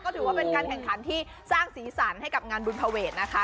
ถือว่าเป็นการแข่งขันที่สร้างสีสันให้กับงานบุญภเวทนะคะ